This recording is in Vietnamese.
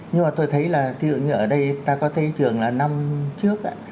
nhưng mà tôi thấy là ví dụ như ở đây ta có thấy thường là năm trước á